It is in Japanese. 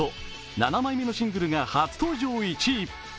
７枚目のシングルが初登場１位。